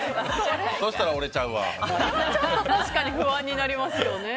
確かに不安になりますよね。